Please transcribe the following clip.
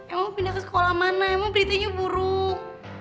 emang pindah ke sekolah mana emang beritanya buruk